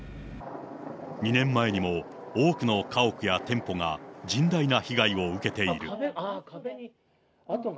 ２年前にも多くの家屋や店舗が甚大な被害を受けている。